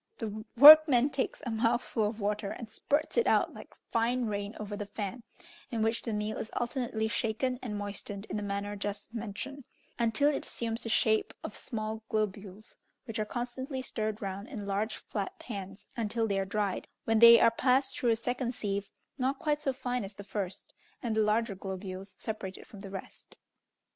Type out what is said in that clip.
The workman takes a mouthful of water, and spurts it out like fine rain over the fan, in which the meal is alternately shaken and moistened in the manner just mentioned, until it assumes the shape of small globules, which are constantly stirred round in large, flat pans until they are dried, when they are passed through a second sieve, not quite so fine as the first, and the larger globules separated from the rest.